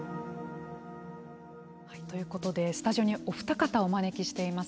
ということでスタジオにお二方をお招きしています。